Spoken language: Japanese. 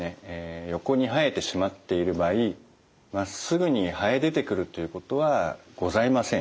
横に生えてしまっている場合まっすぐに生え出てくるということはございません。